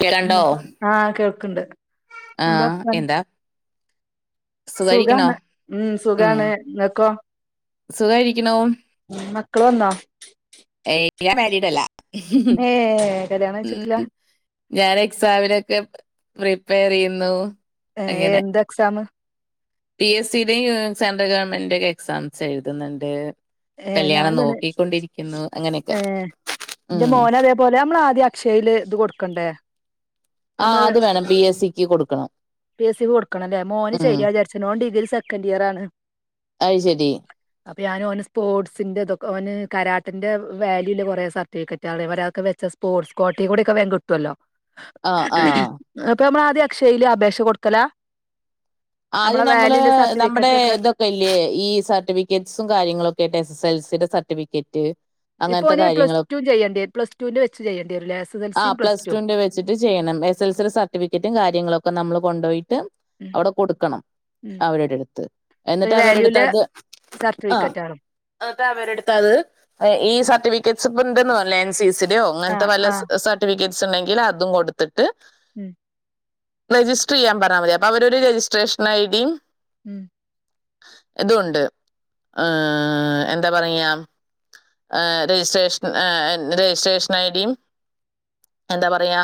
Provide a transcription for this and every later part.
കേൾക്കണ്ടോ ആ ആഹ് കേൾക്ണ്ട്. ആ എന്താ സുഖായിരിക്കണോ സുഖാണ്. ഉം സുഖാണ്. ഇങ്ങക്കോ? സുഖായിരിക്കുണു. മക്കള് വന്നോ ഏയ് യാൻ മാരീഡല്ല. ഏഹ് കല്യാണം കഴിച്ചിട്ടില്ല ഉം ഞാൻ എക്സാമിനൊക്കെ പ്രിപ്പയറെയ്യുന്നു. ഏ എന്ത് എക്സാമ്? പി എസ്സി ല് സെൻട്രൽ ഗവൺമെൻ്റ് എക്സാംസ് എഴ്ത് ന്ന്ണ്ട്. ഏ ഞാനും തന്നെ അങ്ങനെയൊക്കെ ഏ ഇൻ്റെ ഉം മോന് അതേ പോലെ അമ്മള് ആദ്യ ക്ഷയില് ഇത് കൊടുക്കണ്ടേ? ആ നമ്മള് അത് വേണം പി എസ് സിക്ക് കൊടുക്കണം. പി എസ് സി ക്ക് കൊടുക്കണംല്ലേ മോന് ഉം ചെയ്യാ വിചാരിച്ന് ഓൻ ഡിഗ്രി സെക്കൻഡ് ഇയർ ആണ്. അത് ശരി അപ്പൊ ഞാന് ഓന് സ്പോർട്സിൻ്റെതൊക്കെ ഓൻ കരാട്ടന്റെ വാല്യു ഇല്ല്യെ കുറേ സർട്ടിഫിക്കറ്റാളെ. ഓര് അഒക്കെ വെച്ച സ്പോർട്സ് കോട്ടെകൂടെ ഒക്കെ വേം കിട്ടുഅല്ലോ. ആ ആ അപ്പൊ നമ്മള് ആദ്യ അക്ഷയയിൽ അപേക്ഷ കൊടുക്കലാ? നമ്മളെ ആദ്യം നമ്മള് വാല്യൂല്ല നമ്മുടെ സർട്ടിഫിക്കറ്റ് ഒക്കെ ഇതൊക്കെ ഇല്ലേ ഈ സർട്ടിഫിക്കറ്റ്സും കാര്യങ്ങളൊക്കൊയിട്ട് എസ് എസ് എൽ സി ടെ സർട്ടിഫിക്കറ്റ്, ഇപ്പൊ അങ്ങനത്തെ ഓന് കാര്യങ്ങളൊക്കെ പ്ലസ് ടും ചെയ്യണ്ട്യരും പ്ലസ് ടൂന്റെ വെച്ച് ചെയ്യണ്ടി വരുലേ. എസ് എസ് എൽ സിം, പ്ലസ് ടും. എസ്ൽസിടെ സർട്ടിഫിക്കറ്റും കാര്യങ്ങളൊക്കെ നമ്മൾ കൊണ്ടോയിട്ട് ഉം അവ്ടെ കൊടുക്കണം ഉം അവരുടെടുത്ത് എന്നിട്ട് പിന്നെ അവരെടുത്തത് വാല്യൂല് അത് അ സർട്ടിഫിക്കറ്റ് ആണ് അ അതവരുടുത്തത് ഈ സർട്ടിഫിക്കറ്റ്സ് ഇപ്പൊ ഉണ്ടന്നും അല്ലേ എൻ സി സി ട്യോ അങ്ങൻ ആ തെ വല്ല ആ സ സർട്ടിഫിക്കറ്റ്സ് ഉണ്ടെങ്കിൽ അതും കൊടുത്തിട്ട് ഉം രജിസ്റ്ററിയ്യാൻ പറഞ്ഞാ മതി. അപ്പൊ അവരൊരു രജിസ്ട്രേഷൻ ഐഡിം ഉം ഇതൂണ്ട് ഏ എന്താ പറയാ ഏഹ് രജിസ്ട്രേഷൻ ഏഹ് രജിസ്ട്രേഷൻ ഐഡിയും എന്താ പറയാ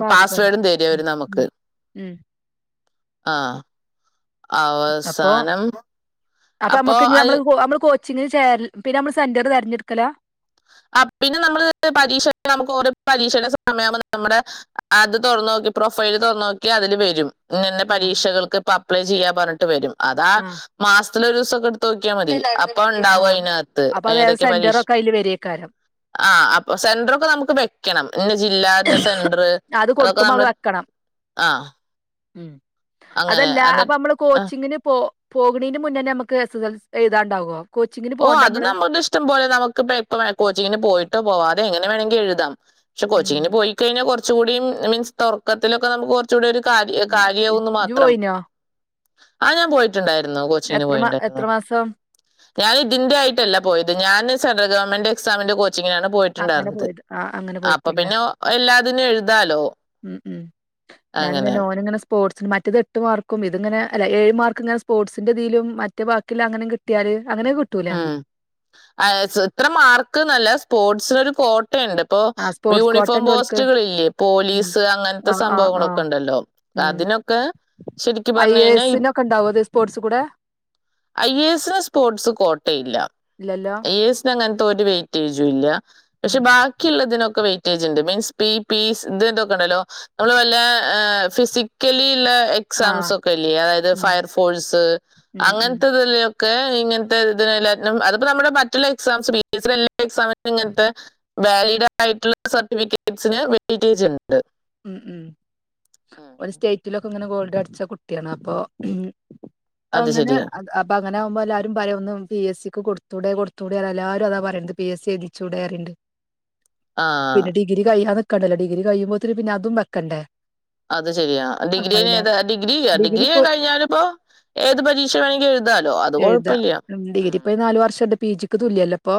പാസ് ആണ് പാസ്വേഡും തരും ഉം അവര് ഉം നമുക്ക്. ഉം ആഹ് അപ്പൊ അവസാനം അപ്പൊ ഞമ്മക്ക് ഇഞ് നമ്മള് നമ്മള് കോച്ചിങ്ങിന് ചേര് പിന്നെ നമ്മള് സെന്റർ തിരഞ്ഞെട്ക്കലാ അ പിന്നെ നമ്മള് പരീക്ഷ നമുക്ക് ഓരോ പരീക്ഷയുടെ സമയുമ്പ നമ്മുടെ അത് തൊറന്നോക് പ്രൊഫൈല് തൊർന്ന് നോക്കിയാ അതില് വരും. ഇന്നന്നെ ആ പരീക്ഷകൾക്ക് ഇപ്പ അപ്ലൈ ചെയ്യാ പർഞ്ഞിട്ട് വരും. അതാ ആ മാസ് ത്തിലോരോസൊക്കെ എടുത്തോക്കിയാ മതി. അപ്പ ആ ണ്ടാവോ അയിനത്ത് അപ്പൊ അത് ഏത് ഏതൊക്കെ പരീക്ഷ് സെന്ററൊക്കെ അതില് വരേക്കാരം ആ അപ്പൊ സെന്ററൊക്കെ നമുക്ക് വെക്കണം ഇന്ന ജില്ല ഇന്ന സെന്റർ അത് അതൊക്കെ കൊടുക്കുമ്പോ നമ്മള് വെക്കണം ആഹ് ഉം അതല്ല അപ്പൊമ്മള് ആ കോച്ചിങ്ങിന് പോ പോക്കണയ്ന്റെ മുന്നേന്നെമക്ക് എസ് സൽ എഴുതാണ്ടാവോ? കോച്ചിങ്ങിന് ഓ പോകണ്ട അത് നമ്മള് നമ്മളുടെ ഇഷ്ടം പോലെ നമുക്ക്പ്പ എപ്പവേ കോച്ചിങ്ങിന് പോയിട്ടോ പോവാതെ എങ്ങനെ വേണങ്കി എഴുതാം ക്ഷെ ഉം കൊച്ചിന് പോയി കഴിഞ്ഞാ കൊർചൂടിം മീൻസ് തൊർക്കത്തിലൊക്കെ നമുക് കൊർച്ചുടി ഒരു കാര്യഹ് ഉം കാര്യാവുന്ന് ഇജ്ജ് മാത്രം. പോയിനോ ആ ഞാൻ പോയി ട്ട്ണ്ടായിര്ന്നു കോച്ചിങ്ന് എത്ര മാ പോയിണ്ടായിരുന്നു എത്ര മാസം ഞാൻ ഇതിന്റെ ആയിട്ടല്ല പോയത് ഞാന് സെട്രൽ ഗവൺമെന്റ് എക്സാമിന്റെ കോച് ചിങ്ങാണ് അങ്ങനെ പോയിട്ടുണ്ടായിരുന്നത്. പോയത്. ആ അങ്ങനെ അപ്പ പോയിക്കുല്ലേ. പിന്നെ ഒ എല്ലാതിനും എഴുതാലോ ഉം ഉം ഞാന് അങ്ങനെ തന്നെ ഓനങ്ങനെസ് പോർട്സിന് മറ്റേത് എട്ട് മാർക്കും ഇതിങ്ങന അല്ല ഏഴ് മാർക് ങ്ങനെ സ്പോർട്സിന്റെതീലും മറ്റെ ബാക്കിള്ള അങ്ങനിം കിട്ട്യാല് ഉം അഹ് സുത്ര മാർക്ക്ന്നല്ല സ്പോർട്സിനൊരു കോ ട്ട്ണ്ട്. ഇപ്പോ ആ സ്പോർട്സ് ക്വാട്ട യൂണിഫോം ഉണ്ട് ഓൽക്ക്. പോസ്റ്റുക്ള് ഇില്ലേ ഉം. പോലീസ് ആ, അങ്ങൻത്തെ ആ, സംഭവങ്ങളൊക്കെ ണ്ടല്ലോ. അതിനൊക്കെ ശരിക്കും ഐ പറഞ്ഞു എ കഴിഞ്ഞാൽ എസിനൊക്കെണ്ടാഓത് സ്പോർട്സ് കൂടെ ഐഎസ് സ്പോർട്സ് കോട് ട്ടെയില്ല. ഇല്ലല്ലോ. ഐ ഏ സിന് അങ്ങൻത്തെ ഒരു വെയ്റ്റേജും ഇല്ല ഉം. പക്ഷെ ബാക്കിയുള്ള തിനൊക്കെ വെ റ്റേജണ്ട്. മീൻസ് പി പീ സ് ത് ന്തൊക്കെ ണ്ടല്ലോ നമ്ള് വല്ല ഏ ഫിസിക്കലിള്ള ആ. എക്സാംസൊക്കെല്യ അതായത് ഉം. ഫയർ ഫോഴ്സ് ഉം, ഉം. അങ്ങൻത്തതിലൊക്കെ ഇങ്ങൻ ത്തെത് ല് നം അത്പ്പോ നമ്ടെ ബറ്റലെക്സാംസ് [unintelligible] ഇങ്ങൻതെ വാലീഡ [unintelligible] സർട്ടിഫിക്കറ്റ്ൻസ് ന് [unintelligible] ഉം ഉം ഒരു സ്റ്റേറ്റിലൊക്കെ ങ്ങനെ ഗോൾഡ് അടിച്ച കുട്ട്യാണ് അപ്പൊ ഹും അത് അങ്ങനെ ശരി അത് അബാക് ങ്ങനാഉമ്പോ എല്ലാരും പയെ ഒന്നും പി എസ് സിക്ക് കൊടുത്തൂടെ കൊടുത്തൂടെ എല്ലാരും അതാ പറിന് ത് പി എസ് സി എയ്തിച്ചൂടെ അറിണ്ട് ആ പിന്നെ ഡിഗ്രി കഴിയാന്ന്ക്കണ്ടല്ലോ ഡിഗ്രി കഴിയുമ്പോത് ന് പിന്നെ അതും വെക്കണ്ടേ അത് ശരിയാ അപ്പൊ ഡിഗ്രീ നേതാ അതിലേറെ ഡിഗ്രി ഡിഗ്രി കഴിഞ്ഞാനിപ്പോ ഏത് പരീക്ഷ വേണങ്കി എഴുതാലോ. അത് എഴുതാ കൊഴപ്പല്യ ഉം ഡിഗ്രി ഇപ്പൊ ഈ നാല് വർഷണ്ട് പി ജിക്ക് തുല്ല്യല്ല്യ പ്പോ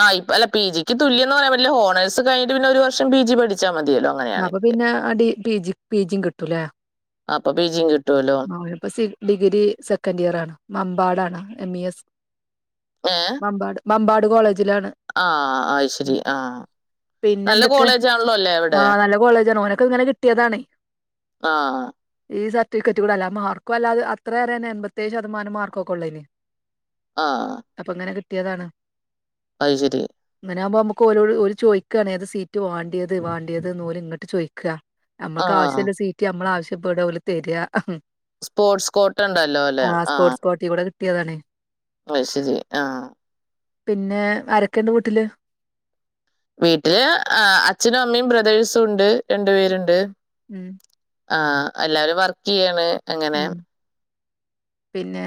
ആഹ് ഇപ് അല്ല പി ജിക്ക് തുല്യന്ന് റയാമ്പറ്റ്ല്ല. ഹോണേസ് കയിൻട്ട് പിന്നൊരു വർഷം പി ജി പഠിച്ചാ അപ്പൊ പിന്നെ അടി പിജി പിജിം കിട്ടൂലേ? അപ്പൊ പി ജിയും കിട്ടുമല്ലോ ഓല് പ്പോ സി ഡിഗ്രി സെക്കൻഡ് ഇയർ ആണ് മമ് പാടാണ് എം ഇ എസ് ഏഹ് മമ്പാട് മമ്പാട് കോളേജ് ആഹ് ആഹ് ശരി ആഹ് നല്ല കോളേജാണല്ലോലേ? ആഹ് നല്ല കോളേജാണ് ഓനൊക്കെ ങ്ങനെ കിട്ടിയതാണേ ആഹ് ഈ സർട്ടിഫിക്കറ്റ് കൂടെല്ല മാർക്കും അല്ലാതെ അത്രേറെയന്നെ എമ്പപത്തേഴ് ശതമാന മാർക്കോക്കെ ള്ളേഞ്ഞി ആഹ് ട്ടിയതാണ് അഹ് ശരി ങ്ങനാഉമ്പോ അമക്ക് ഓരോ ഓല് ചോയ്ക്കാണ് ഏത് സീറ്റ് വാണ്ട്യത് വാണ്ട്യത് ന്ന് ഓല് ഇങ്ങട്ട് ചോയ്ക്ക. അമ്മക്ക് ആഹ് ആവ്ശ്യല്ല സീറ്റ് നമ്മളാവശ്യപ്പെട ഓല് തര് അ ഹ ഹ് സ്പോർട്സ് കോട്ട്ണ്ടല്ലോ അല്ലെ ആ ട്ട്യതാണ്. വൈ ശരി ആ പിന്നെ ആരെക്കണ്ട് വീട്ടില്? വീട്ടില് ആ അച്ഛനും അമ്മയും ബ്രദേഴ്സുംണ്ട് രണ്ടു പേരുണ്ട്. ഉം. ആഹ എല്ലാരും വർക്ക് ചെയ്യാണ് അങ്ങനെ പിന്നേ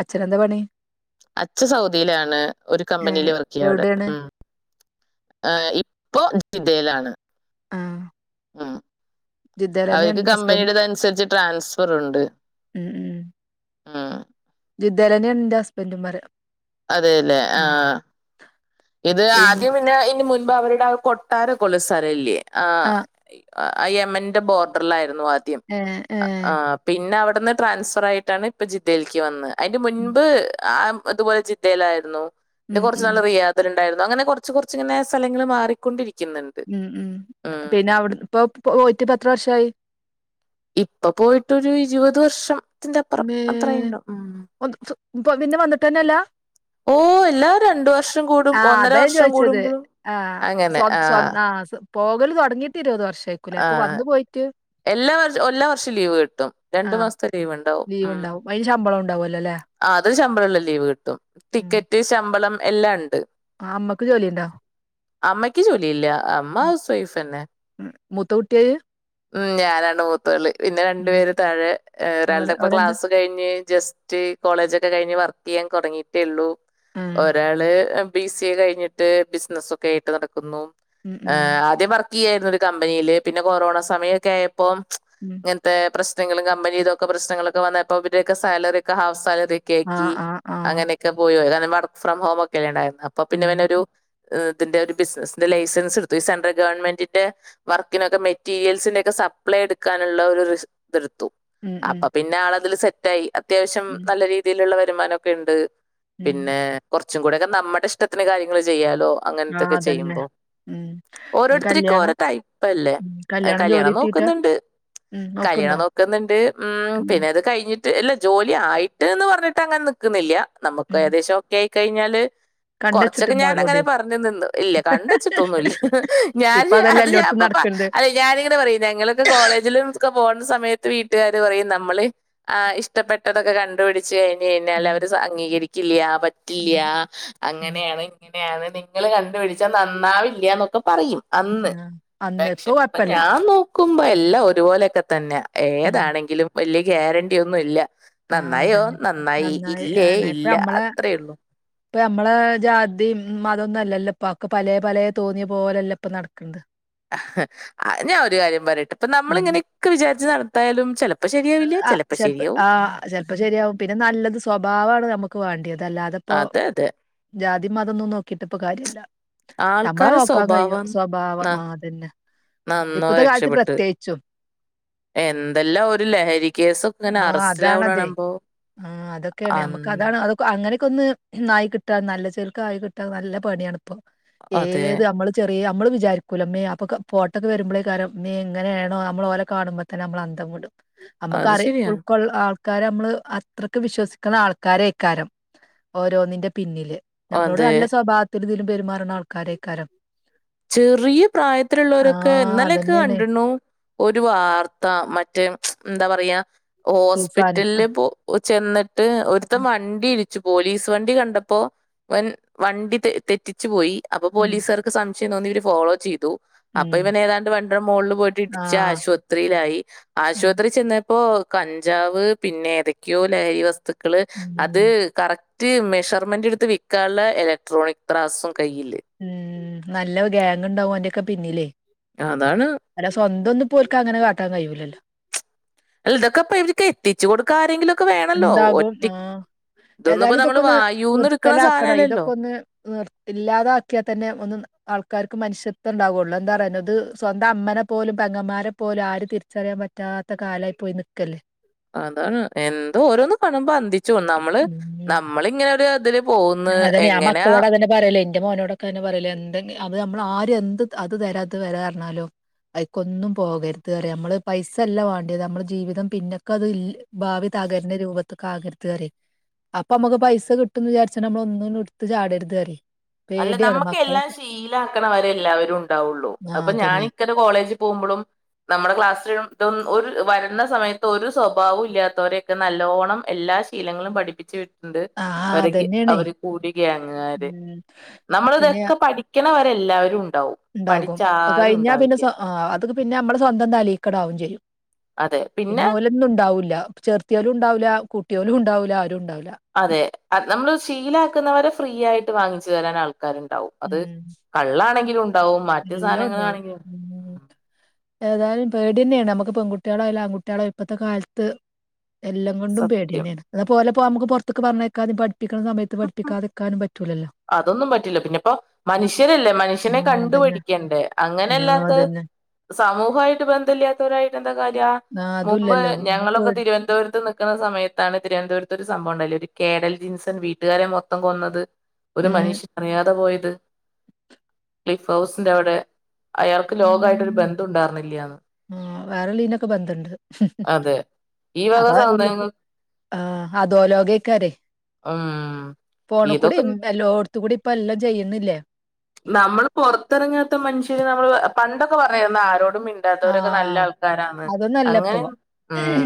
അച്ഛനന്താ പണി? അച്ഛ സൗദിയിലാണ് ഒരു ഏ കമ്പനിയില് വർക്ക് ചെയ്യ അവിടെ എവിടേണ് ഉം. ആ ഇപ്പോ ജിദ്ദേലാണ്. ആഹ അവര്ക്ക് കമ്പനിയടതനുസരിച്ച് ട്രാന്സ്ഫറുണ്ട്.. ഉം ആഹ ഇദ്ദേലെന്നെ ന്റെ ഹസ്ബന്റു പറിയ അതെല്ലേ ആഹ ഇത് ആദ്യം പിന്നെ ഇന് മുൻപ് അവരുടെ ആ കൊട്ടാരകൊള്ള സ്ലലല്ല്യേ ആ യമന്റെ ബോർഡറിലായി ന്നുആദ്യം ഏ ഏ പിന്നെ അവ്ടുന്ന് ട്രാൻസ്ഫർ ആയിട്ടാണ് ഇപ്പ ജിദ്ദയിൽക്ക് വന്നേ. അയ്ന്റെ ഉം മുൻപ് ആ ഇതുപോലെ ജിദ്ദയിലായിരുന്നു ന്നെ ഉം കൊർച് ഉം നാള് റിയാ ഉണ്ടായിരുന്നു അങ്ങനെ കൊർച്ച് കൊർച്ച് ങ്ങനെ സ്ഥലങ്ങള് മാറിക്കൊണ്ടിരിക് ഉം ഉം പിന്നെ അവിട് പ്പൊ പോയിട്ട് എത്ര വർഷായി? ഇപ്പൊ പോയിട്ടൊരു ഇരുവത് വർഷം. ന്തേ ഒന്ന് പിന്നെ വന്നിട്ടെന്നെല്ലാ? ഓ എല്ലാ രണ്ട് വർഷം കൂടും ആഹ ഒന്നര അതാ വർഷം ചോയിച്ചത് കൂടുമ്പോഴും ആഹ അങ്ങനെ സ്വത് ആ സ്വ ആഹ് പോകൽ തൊട്ങ്ങിയിട്ട് ഇരുപത് വർ ആ എല്ലാ വർഷ എല്ലാ വർഷം ലീവ് കിട്ടും രണ്ട് ആഹ് മാസ്ത്തെ ലീവ്ണ്ടാവും. ലീവ് ഉണ്ടാവും അയ്ന് ശമ്പളം ഉണ്ടാവുല്ലോലേ? അത് ശമ്പളെള്ള ലീവ് കിട്ടും ടിക്കറ്റ് ശമ്പളം എല്ലാംണ്ട്. ആ അമ്മക്ക് ജോലിണ്ടോ? അമ്മയ്ക്ക് ജോലില്ല അമ്മ ഹൗസ് വൈഫ്ന്നെ. മൂത്തൗട്ടിയഅ്? ഉം ഞാനാണ് മൂത്തോള്. പിന്ന രണ്ടു ഉം പേര് താഴേ ഏ ഒരാൾടെ ഓര് ഇപ്പ ഓരെന്താ ക്ലാസ് കഴിഞ്ഞ് ജസ്റ്റ് കോളേജ് ക്കെ കഴ്ഞ്ഞ് വർക്ക് ചെയ്യാൻ തോ ട്ങ്ങിട്ടേള്ളൂ ആഹ് ഒരാള് ബി സി കഴിഞ്ഞിട്ട് ബിസിനസൊക്കെ ആയിട്ട് നടക്കുന്നു ഉം ഏ ഉം ആദ്യമ് ക്യേര്ന്നൊരൂകമ്പനിയില് പിന്നെ കൊറോണ സമയക്കെ ആയപ്പോം ഉം ഇങ്ങൻത്തെ പ്രശ്ന നങ്ങള് കമ്പനിതൊക്കെ പ്രശ്നങ്ങളൊക്കെ വന്നപ്പോ ഇവരെ ക്കെ സാലറിക്കെ ഹാഫ് സാലറി ത് ആഹ് കേക്കി ആഹ് ആഹ് അങ്ങനെയൊക്കെ പോയോ ഏതണ് വർക്ക് ഫ്രോം ഹോമക്കെല്ലണ്ടാ അപ്പൊ ഉം പിന്നെ ഇവനൊരു ഇതിന്റെ ഒരു ബിസ്നസിന്റെ ലൈസൻസ്ട്ത്തു. സെൻട്രൽ ഗവൺമെന്റിന്റെ വർക്കിനൊക്കെ മെ മെറ്റീരിയൽസിന്റെ ഒക്കെ സപ്ലൈ എട്ക്കാനുള്ള ഒരു റിസ് ഇത്ട്ത്തു. ഉം ഉം അപ്പൊ പിന്നെ ആളതില് സെറ്റായി. അത്യാവശ്യം ഉം നല്ല രീതിയിലുള്ള വരുമാനൊക്കെണ്ട്. ഉം പിന്നെ കൊ ച്ചും കൂടെക്കെ നമ്മടെ ഇഷ്ടത്തിന് കാര്യങ്ങള് ചെയ്യാലോ? ആഹ് അങ്ങൻത്തൊക്കെ അതന്നെ ചെയ്യുമ്പോ ഉം ഇനി ഓരോര്ത്തർക്ക് കല്യാണം ഓരോത്തായിപ്പല്ലേ? ഉം ജോലി കല്യാണം കിട്ടീട്ടാ നോക്ക്ന്ന്ണ്ട്. ഉം കല്യാണം നോക്ക്ണ്ടോ നോക്ക്ന്ന്ണ്ട്. ഉം പിന്നെ അത് കഴിഞ് കഞ്ഞിട്ട് അല്ല ജോലി ആയിട്ട്ന്ന് പർഞ്ഞിട്ട് അങ്ങനെ നിക്ക്ന്നില്ല. നമുക്ക് ഉം ഏകദേശം ഒക്കെ ആയി കഴിഞ്ഞാല് കൊർച്ചൊക്കെ ഞാന് അങ്ങനെ കണ്ടച്ചിട്ടുണ്ടാവലോടി പർഞ്ഞു നിന്ന് ഇല്ല കണ്ടച്ചിട്ടൊന്നുല്ല ഇപ്പൊ ഞാന് അതല്ലേ അത് എല്ലോടത്തും ഞാൻപ്പ നടക്ക്ണ്ട് അല് ഞാനിങ്ങനെ പറയും ഞങ്ങളൊക്കെ കോളേജിലും ഒക്ക പോണ്ടാ സമയത്ത് വീട്ട ട്ടര് പറയും നമ്മള് ആ ഇഷ്ടപ്പെട്ടതൊക്കെ കണ്ടുപിടിച്ച് കഴിഞ് കഴിഞ്ഞാൽ ഉം അവര് അംഗീകരിക് കില്യ പറ്റില്ല ഉം ഉം അങ്ങനെയാണ് ഇങ്ങ യാണ് നിങ്ങള് കണ്ട്പിടിച്ചാ നന്നാവില്ലന്നൊക്കെപറയും. ആഹ അന്നേപൊ ഞാൻ നോക്കുമ്പോ എല്ലാം ഒരുപോലൊക്കെ തന്നെ. ഉം ഏതാണെങ്കിലും വല്യ ഗ്യാരണ്ടി ഒന്നും ഇല്ല ആഹ് നന്നായോ അതന്നെ നന്നായി ഇല്ലേ അനെ ഇപ്പ ഇല്ല നമ്മളെ അത്രേയള്ളൂ ഇപ്പ നമ്മള ജാതി അതൊന്നും അല്ലല്ലോ ഇപ്പൊ ആക്ക് പലേ പലേ തോന്നിയ പോലേല്ല പ്പ നട്ക്ക്ണത്. ഞാൻ ഒരു കാര്യം പറയട്ട് ഇപ്പ നമ്മൾ ഇങ്ങനെയൊക്കെ വിചാരിച്ച് നടത്തായാലും ചെല ആ ചെൽപോ ആ ചെലപ്പോ ശരിയാവും പിന്നെ നല്ലത് സ്വഭാവാണ് നമുക്ക് വേണ്ടിയത് അതല്ലാതപ്പോ അതെ അതെ ജാതി മതംന്നും നോക്കിട്ട് ഇപ്പൊ കാര്യല്ല നമ്മളെ ആൾക്കാരെ നോക്കാൻ കഴിയോ സ്വഭാവം ന സ്വഭാവം ആ അതന്നെ നന്നോ ഇപ്പത്തെ കാലത്ത് രക്ഷപ്പെട്ട് പ്രത്യേകിച്ചും എന്തെല്ലാം ഒരു ലഹരി കേസൊക്കെ ഇങ്ങനെ ആഹ് അറസ്റ്റിലാവ്ണ അതാണതെ കാണുമ്പോ മം അങ്ങനൊക്കന്ന് ആയി കിട്ടാ നല്ല ചെൽക്ക് ആയി കിട്ട നല്ല പണിയാണ് ഇപ്പോ അതെ ഏത് നമ്മള് ചെർ അ നമ്മൾ വിചാരിക്കില്ലോ മേ അപ്പോൊ ഫോട്ടൊക്കെ വരുമ്പോഴേക്കാര്ം മീ എങ്ങനെയ ആണോ നമ്മൾ ഓല കാണുമ്പോൾ തന്നെ നമ്മള അന്തം കൊണ്ടും നമുക്ക് അത് അറ ശരിയാണ് ഉൾക്കൊള്ള ആ ആൾക്കാരെ നമ്മള് അത്രക്കെ വിശ്വസിക്കുന്ന ആൾക്കാരേക്കാരം ഓരോന്നിന്റെ പിന്നില് നമ്മളോട് അതെ നല്ല സ്വഭാവത്തിൽ ഇതിലും പെരുമാറുന്ന ആൾക്കാരെക്കാലം ചെറിയ പ്രായത്തിലുള്ളവരൊക്കെ എന്നലൊക്കെ അതന്നെയാണ് കണ്ടിണു ഒരു വാർത്ത മറ്റേ എന്താ പറയാ തൂഫാന് ആ ഹോസ്പിറ്റലില് പോ ചെന്നിട്ട് ഒരുത്തൻ ഉം വണ്ടി ഇ പോലീസ് വണ്ടി കണ്ടപ്പോ ഇവൻ വണ്ടി തെറ്റിച്ചു പോയി അപ്പോ ഉം പോലീസുകാർക്ക് സം പക്ഷേ എന്ന ഒന്ന ഇവർ ഫോളോ ചെയ്തു അപ്പൊ ഉം ഇവൻ ഏതാണ്ട് വണ്ടിടെ മോളിൽ പോയിട്ട് ആ ഇടിച്ച് ആശുപത്രിയിലായി ഉം ആശുപത്രി ചെന്ന പ്പോ കഞ്ചാവ് പിന്നെ ഏതൊക്കെയോ ലഹരി വസ്തുക്കള് അത് ഉം കറക് മറ്റ് മെഷർമെന്റ് എടുത്ത് വിൽക്കാനുള്ള ഇലക്ട്രോണിക് ത്രാസും കയ്യില്. ഉം നല്ല ഗാങ് ഉണ്ടാവും ഓന്റെക്കെ പിന്നിലേ അതാണ് അല്ല സ്വന്തം ഒന്ന് പോർക്ക് അങ്ങനെ കാട്ടൻ കഴിയൂലല്ലോ അല്ല ഇതൊക്കെപ്പൊ ഇവര്ക്ക് എത്തിച്ച് കൊടുക്കാൻ ആരെങ്കിലും ഉണ്ടാകും ആഹ ഇതൊന്നും ഇപ്പൊ ഏതായാലും ഇതൊക്കെ നമ്മള് ഒന്ന് വായുന്ന് എടുക്കണ നിർത്തലാക്കണം സാധനമല്ലല്ലോ ഇതൊക്കെ ഒന്ന് നിർ ഇല്ലാതാക്കിയാൽ തന്നെ ഒന്ന് ആൾക്കാർ മനുഷ്യത്വണ്ടാവുള്ളു എന്താ പറയ അത് സ്വന്തം അമ്മനെ പോലും പെങ്ങന്മാരെ പോലും ആര് തിരിച്ചറിയാൻ പറ്റാത്ത ഇ കാലായി പോയി നിക്കല്ലേ അതാണ് എന്തോ ഓരോന്ന് കാണുമ്പോ അന്തിച്ചു പോവും നമ്മള് നമ്മള ഇങ്ങനെ ഒരു ഇതില് പോകുന്നു അതെന്നെ ഞാൻ എങ്ങനെയാ മക്കളോട് അതെന്നെ പറയൽ എന്റെറെ മോനോടൊക്കെ അതെന്നെ പറയലേ എന്ത അത് നമ്മള് ആര് എന്ത് അത് തരാ ഇത് തരാ പറഞ്ഞാലോ ഐക്കൊന്നും പോകരുത് പറയും നമ്മള് പൈസയല്ല വാണ്ടിയത് നമ്മള് ജീവിതം പിന്നെക്കെ അത് ഭാവി ാകന്റെ രൂപത്തൊെകുക അപ്പൊ നമുക്ക് പൈസ കിട്ടന്ന് വിചാരി പക്ഷെ നമ്മള ഒന്നും ഇടുത്ത് ചാടെരുത് പറീം അല്ല നമ്മുക്ക് എല്ലാം ശീല ആക്കണവരെ എല്ലാവരും ഉണ്ടാവുള്ളു ആ അപ്പൊ ഞാൻ അതന്നെ ഇക്കര കോളേജ് പോകുമ്പോഴും നമ്മുടെ ക്ലാസ് ഒരു വരുന്ന സമയത്ത് ഒരു സ്വഭാവം ഇല്ലാത്തവരെയൊക്കെ നല്ലോണം എല്ലാ ശീലങ്ങളും പഠിപ്പിച്ച് ണ്ട് ആ അവര് അതന്നെയാണേ അവര് കൂടി ഗ്യാങ്ങാര് ഉം നമ്മള് പിന്നെ ഇതൊക്കെ പഠിക്കണവരെ എല്ലാവരും ഉണ്ട് ഉണ്ടാകും കഴിഞ്ഞാ പിന്നെ അത പിന്നെ നമ്മള സ്വന്തം തലിക്കട ആാവും ചെയ്യും പിന്നെ ഓലൊന്നും ഉണ്ടാവൂല്ല ചെർത്തിയോലും ഉണ്ടാവില്ല കൂട്ടിയോലും ഉണ്ടാവില്ല ആരും ഉണ്ടാവില്ല അതെ നമ്മള് ശീലാക്കുന്നവരെ ഫ്രീ ആയിട്ട് വാങ്ങിച്ചു തരാൻ ആൾക്ക രുണ്ടാവും അത് ഉം കള്ളാണെങ്കിലും ഉണ്ടാവും മറ്റു എല്ലാം ഉണ്ടാവും സാധനങ്ങളാണെങ്കിലും ഏതാലും പേടി തന്നെയാണ് നമുക്ക് പെൺകുട്ടികളായാലും ആൺുട്ടികളായാലും ഇപ്പോഴത്തെ കാലത്ത് എല്ലാം കൊണ്ടും പേടി സത്യം തന്നെയാണ് അതിപ്പോ ഓലെപ്പോ നമുക്ക് പുറത്ത്ക്ക് പറഞ്ഞു അയക്കാതും പഠിപ്പിക്കുന്ന സമയത്ത് പഠപ്പിക്കാതെക്കാനും പറ്റും അതൊന്നും പറ്റില്ല പിന്നെ ഇപ്പോ മനുഷ്യനല്ലേ മനുഷ്യനെ ആ കണ്ട് അതന്നെ പഠിക്കണ്ടേ ആ അങ്ങനല്ലാത്ത അതന്നെ സമൂഹമായിട്ട് ബന്ധമില്ലാത്തവരായിട്ട് എന്താ കാര്യ ആ മുമ്പ് അതുല്ലല്ലോ നമ്മ ഞങ്ങളൊക്കെ പേടി തിരുവനന്തപുരത്ത് നി നിക്ണ സമയത്താണ്, തിരുവനന്തപുരത്ത ഒരു സംഭവം ഉണ്ടല്ലേ ഒരു കേഡൽ ജിൻസൺ വീട്ടുകാരെ മൊത്തം കൊന്നത്. ഒരു ഉം. മനുഷ്യൻ അറിയാതെ പോയത് ക്ലിഫ് ഹൗസിന്റെ അവിടെ അയാൾക്ക് ലോകായിട്ടൊരു ബന്ധം ഉണ്ടായിരുന്നില്ലന്ന്. ഉം വേറലീനൊക്കെ ബന്ധണ്ട് അതെ ഈ വക അപ്പൊ എല്ലത്തി സാധനങ്ങൾ ആ, അതോലോകക്കാരേ പോൺ കൂടെ [unintelligible] നമ്മള് പുറത്തിറങ്ങാത്ത മനുഷ്യന് നമ്മള് പണ്ടൊക്കെ, പറഞ്ഞിന ആരോടും ആ മിണ്ടാത്തവരൊക്കെ നല്ല ആൾക്കാരാണ് അതൊന്നല്ല അങ്ങനെ ഇപ്പൊ. ഉം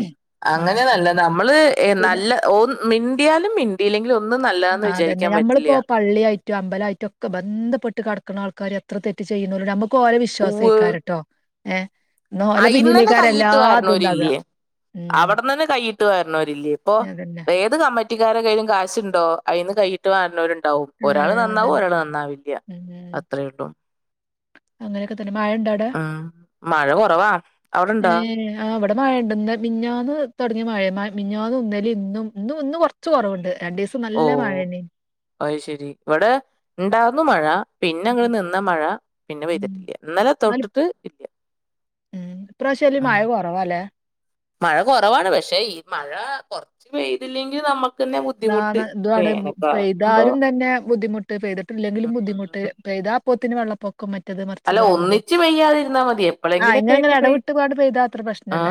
ഉം അങ്ങനെ നല്ല നമ്മള് പിന്നെ നല്ല ഓ മിണ്ടിയാലും മിണ്ടിയില്ലെങ്കിൽ ഒന്നും, നല്ലാ എന്ന് വിചാരിക്കാൻ പറ്റി നമ്മളിപ്പോൾ, പള്ളിയായിട്ടോ അമ്പലമായിട്ടോ ഒക്കെ ബന്ധപ്പെട്ട് കിടക്കുന്ന ആൾകാര് എത്ര തെറ്റ് ചെയ്യുണോലും നമുക്ക്. ഓകൊ വിശ്വാസം ഇക്കാരട്ടോ ഏ ന്നാ ഓലെ ഐമന്ന് പിന്നിലേക്കാരം കൈയിട്ട് എല്ലാതുണ്ടാക. വാര്ണവരില്ലെ ഉം അവിടുന്നന്നെ കൈയിട്ട് ട്ട് വാരണവരില്ലേ ഇപ്പോ അതന്നെ ഏത് കമ്മറ്റിക്കാര കൈയ്യിലും കാശുണ്ടോ അതിന്ന് കൈയിട്ട് വാരണവരുണ്ട് ണ്ടാവും ഏ ഒരാള് നന്നാവും അതന്നെ ഒരാള് നന്നാവില്ല ഉം അത്ര ഉള്ളു അങ്ങനെയൊക്കെ തന്നെ മഴ ഉണ്ടാ അവടെ മഴ കുറവാ അവിടെ ഉണ്ടോ മ്മ് ആ ഇവിടെ മഴയുണ്ട് ന്ന് മിനഞ്ഞാന്ന് തുട ങ്ങിയ മഴ മിനത്താണ് ഇന്നലെയും ഇന്നും ഇന്നും ഇന്നും കൊറച്ച് കുറവുണ്ട് രണ്ട് ദിവസം നല്ല മഴന്നെ അത് ശരി ഇവിടെ ഇണ്ടാറുന്നു മഴ പിന്നെ അങ്ങ് ഉം. നിന്ന മഴ പിന്നെ ഉം. പെയ്തിട്ടില്ല ഇന്നലെ എന്നാലും തൊട്ടിട്ട് ഇല്ല ഉം. ഇപ്രാവശ്യം അയില് ഉം മഴ കൊറവാല്ലേ? മഴ കുറവാണ് പക്ഷെ ഈ മഴ കൊറച്ച് പെയ്തില്ലെങ്കിൽ നമുക്ക്. ന്താണ് ഇതുണ് ആവുമ്പോ പൈന്താലും തന്നെ ബുദ്ധിമുട്ട് പെയ്തിട്ടില്ലെങ്കിലും ബുദ്ധിമുട്ട് ഉം പെയ്താ അപ്പോ തന്നെ വെള്ളപ്പൊക്കം മറ്റത് അല്ല മറിച്ചത് പറയണത്. ഒന്നിച്ച് പെയ്യാതിരുന്നാ മതി ആ എപ്പോഴെങ്കിലൊ ഒക്കെ ഇങ്ങനെ ഇങ്ങനെ ആട്ട് പെയ്താ. എടവിട്ടുപാട് പെയ്താ അത്ര ആ പ്രശ്നല്ല.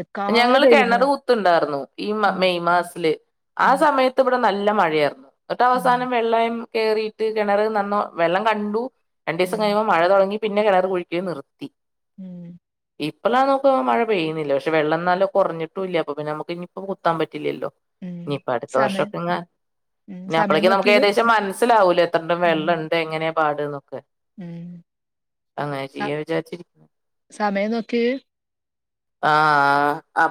നിക്കാതെ ഞങ്ങള് പെയ്യുമ്പളാ. കിണറ് കുത്തുണ്ടാന്നു ഈ ഉം. മെയ് മാസത്തില്ല് ആ ഉം. സമയത്ത് ഇവിടെ നല്ല മഴയായിരുന്നു എന്നിട്ട് ഉം. അവസാനം വെള്ളം കയറിയിട്ട് കിണർ നന്ന വെള്ളം കണ്ടു രണ്ട് ദിവസം ഉം. കഴിഞ്ഞമ്പോൾ മഴ തുടങ്ങി പിന്നെ കിണർ കുഴിക്കല്ല് നിർത്തി ഉം ഇപ്പഴാ നോകുമ്പോമഴ പെയ്യുന്നില്ല പക്ഷെ വെള്ളം എന്നാലും കുറഞ്ഞിട്ടും ഇല്ല അപ്പ പിന്നെ നമുക്ക് ഇനിയിപ്പം കുത്താൻ പറ്റില്ലല്ലോ ഉം. ഇനിഇപ്പൊ അടുത്ത സമയം വർഷക്കങ്ങ ഉം. പിന്ന, സമയം അപ്പളേക്കക്ക് നമുക്ക് നോക്കിയത്? ഏകദേശം മനസ്സിലാവൂലോ എത്രണ്ടും ഉം. വെള്ളം ഉണ്ട് എങ്ങനെ പാട് എന്നൊക്കെ ഉം. അങ്ങനെ സ ചെയ്യാ വിചാരിച്ചിരിക്കാ സമയം നോക്കി ആ ആ ആപ്പ്